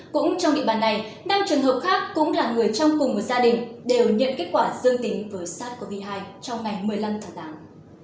cũng trong địa bàn này năm trường hợp khác cũng là người trong cùng với gia đình đều nhận kết quả dương tính với sars cov hai trong ngày một mươi năm tháng tám